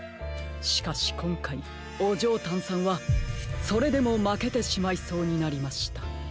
しかしこんかいオジョータンさんはそれでもまけてしまいそうになりました。